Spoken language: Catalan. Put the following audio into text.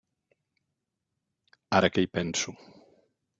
Ara que hi penso.